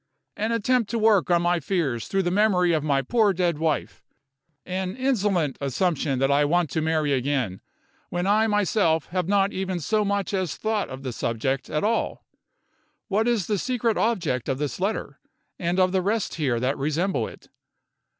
"An attempt to work on my fears through the memory of my poor dead wife! An insolent assumption that I want to marry again, when I myself have not even so much as thought of the subject at all! What is the secret object of this letter, and of the rest here that resemble it?